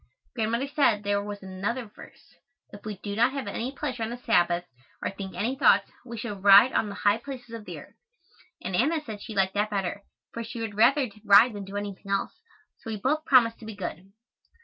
Grandmother said there was another verse, "If we do not have any pleasure on the Sabbath, or think any thoughts, we shall ride on the high places of the earth," and Anna said she liked that better, for she would rather ride than do anything else, so we both promised to be good.